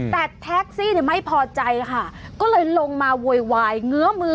แต่แท็กซี่ไม่พอใจค่ะก็เลยลงมาโวยวายเงื้อมือ